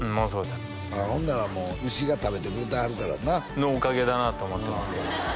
ほんならもう牛が食べてくれてはるからなのおかげだなと思ってますけどね